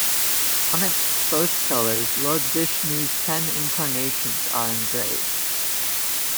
On its both pillars Lord Vishnu's ten incarnations are engraved.